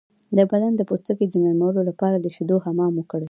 د بدن د پوستکي د نرمولو لپاره د شیدو حمام وکړئ